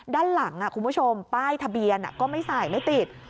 ด้านหลังคุณผู้ชมป้ายทะเบียนก็ไม่ใส่ไม่ติด